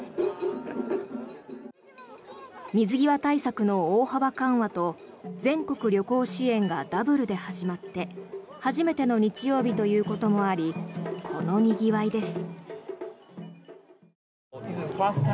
水際対策の大幅緩和と全国旅行支援がダブルで始まって初めての日曜日ということもありこのにぎわいです。